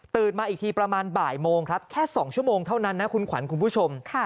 มาอีกทีประมาณบ่ายโมงครับแค่๒ชั่วโมงเท่านั้นนะคุณขวัญคุณผู้ชม